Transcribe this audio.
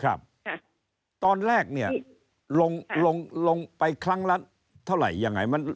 ครับตอนแรกเนี่ยลงลงลงไปครั้งละเท่าไหร่ยังไงมัน